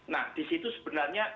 nah disitu sebenarnya